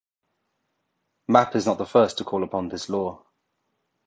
Mapp is not the first to call upon this law.